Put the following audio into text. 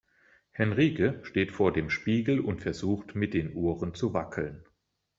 Henrike steht vor dem Spiegel und versucht mit den Ohren zu wackeln.